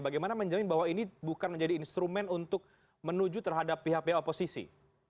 bagaimana menjamin bahwa ini bukan menjadi instrumen untuk menuju terhadap pihak pihak oposisi